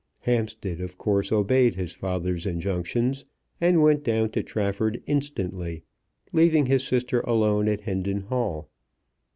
Hampstead of course obeyed his father's injunctions, and went down to Trafford instantly, leaving his sister alone at Hendon Hall.